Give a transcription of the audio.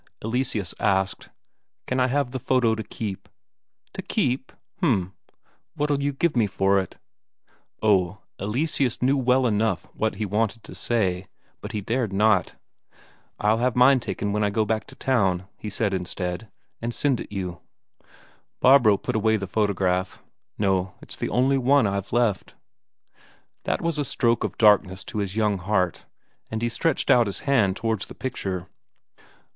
Eleseus asked: "Can I have the photo to keep?" "To keep? H'm. What'll you give me for it?" Oh, Eleseus knew well enough what he wanted to say, but he dared not. "I'll have mine taken when I go back to town," he said instead, "and send it you." Barbro put away the photograph. "No, it's the only one I've left." That was a stroke of darkness to his young heart, and he stretched out his hand towards the picture.